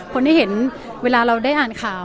คนที่เห็นเวลาเราได้อ่านข่าว